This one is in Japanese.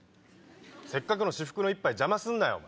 せっかくの至福の一杯邪魔すんなよ。